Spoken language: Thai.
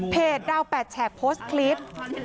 ดาว๘แฉกโพสต์คลิป